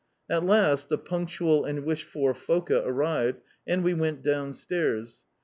At last the punctual and wished for Foka arrived, and we went downstairs.